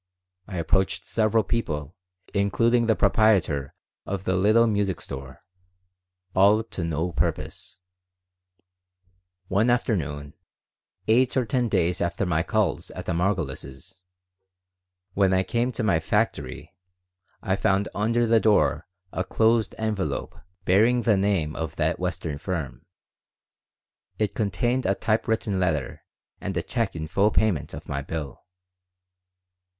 I approached several people, including the proprietor of the little music store. All to no purpose One afternoon, eight or ten days after my call at the Margolises', when I came to my "factory" I found under the door a closed envelope bearing the name of that Western firm. It contained a typewritten letter and a check in full payment of my bill.